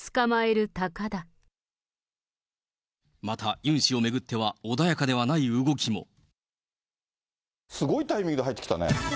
またユン氏を巡っては、穏やすごいタイミングで入ってきたね。